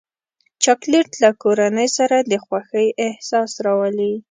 چاکلېټ له کورنۍ سره د خوښۍ احساس راولي.